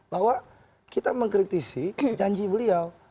bahwa kita mengkritisi janji beliau